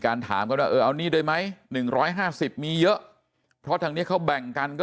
ถามกันว่าเออเอานี่ได้ไหม๑๕๐มีเยอะเพราะทางนี้เขาแบ่งกันก็